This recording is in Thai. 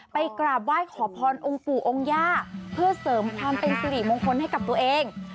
กราบไหว้ขอพรองค์ปู่องค์ย่าเพื่อเสริมความเป็นสิริมงคลให้กับตัวเอง